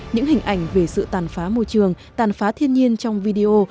những hình ảnh về sự tàn phá môi trường tàn phá thiên nhiên trong video